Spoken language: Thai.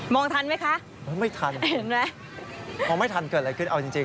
องทันไหมคะไม่ทันเห็นไหมมองไม่ทันเกิดอะไรขึ้นเอาจริงจริง